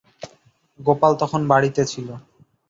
গোপাল তখন বাড়িতে ছিল।